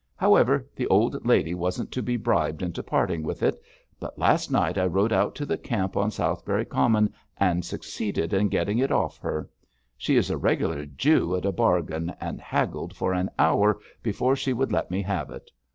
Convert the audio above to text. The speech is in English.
However, the old lady wasn't to be bribed into parting with it, but last night I rode out to the camp on Southberry Common and succeeded in getting it off her. She is a regular Jew at a bargain, and haggled for an hour before she would let me have it.